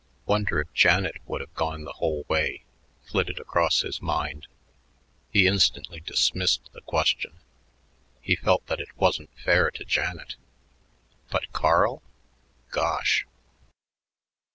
"Wonder if Janet would have gone the whole way," flitted across his mind. He instantly dismissed the question; he felt that it wasn't fair to Janet. But Carl? Gosh!